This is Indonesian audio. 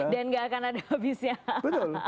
dan gak akan ada habisnya betul